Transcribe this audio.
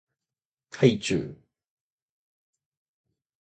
はいちゅう